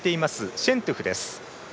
シェントゥフです。